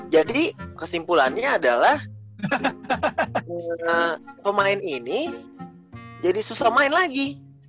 jadi kesimpulannya adalah pemain ini jadi susah main lagi